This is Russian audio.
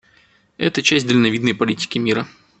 Это часть дальновидной политики мира.